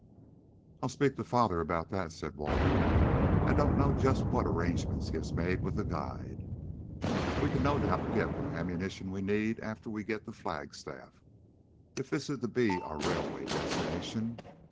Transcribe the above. "I'll speak to father about that," said Walter. "I don't know just what arrangements he has made with the guide." "We can no doubt get what ammunition we need after we get to Flagstaff, if that is to be our railway destination.